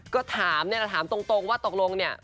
ก็ถามตรงว่าตกลงเนี่ย